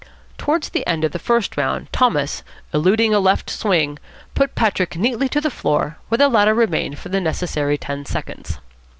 Towards the end of the first round Thomas, eluding a left swing, put Patrick neatly to the floor, where the latter remained for the necessary ten seconds.